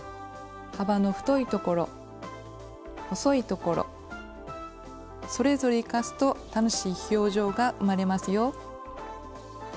幅の太いところ細いところそれぞれ生かすと楽しい表情が生まれますよ。